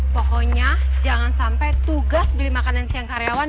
pokoknya jangan sampai tugas beli makanan siang karyawan